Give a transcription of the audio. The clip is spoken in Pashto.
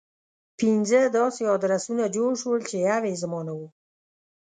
پنځه داسې ادرسونه جوړ شول چې يو يې زما نه و.